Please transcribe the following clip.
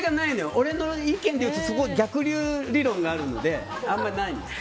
俺の意見で言うと逆流理論があるのであんまりないんです。